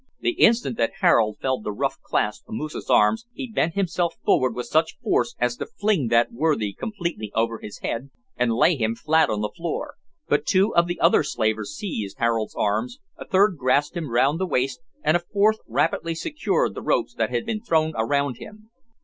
The instant that Harold felt the rough clasp of Moosa's arms, he bent himself forward with such force as to fling that worthy completely over his head, and lay him flat on the floor, but two of the other slavers seized Harold's arms, a third grasped him round the waist, and a fourth rapidly secured the ropes that had been thrown around him.